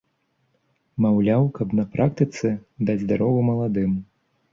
Маўляў, каб на практыцы даць дарогу маладым.